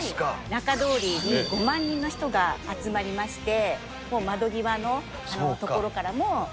仲通りに５万人の人が集まりまして、窓際の所からも。